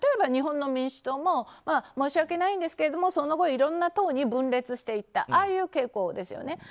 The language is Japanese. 日本の民主党も申し訳ないんですけどその後いろんな党に分裂していったああいう傾向ですよね。